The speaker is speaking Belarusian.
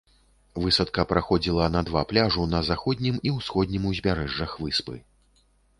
Высадка праходзіла на два пляжу на заходнім і ўсходнім узбярэжжах выспы.